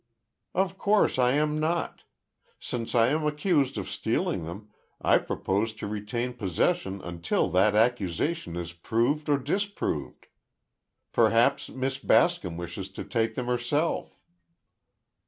"Of course I am not! Since I am accused of stealing them, I propose to retain possession until that accusation is proved or disproved! Perhaps Miss Bascom wishes to take them herself."